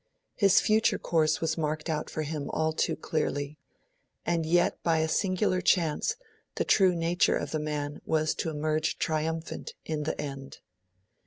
His future course was marked out for him all too clearly; and yet by a singular chance the true nature of the man was to emerge triumphant in the end.